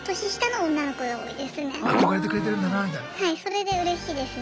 それでうれしいですね。